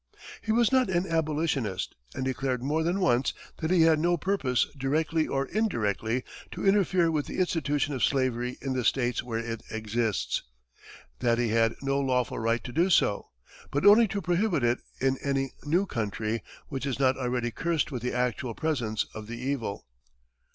He was not an abolitionist, and declared more than once that he had "no purpose, directly or indirectly, to interfere with the institution of slavery in the states where it exists," that he had "no lawful right to do so," but only to prohibit it in "any new country which is not already cursed with the actual presence of the evil."